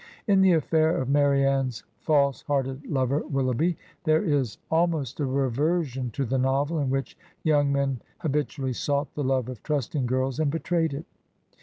In the affair of Marianne's false hearted lover Willoughby there is al most a reversion to the novel in which young men habit ually sought the love of trusting girls and betrayed it.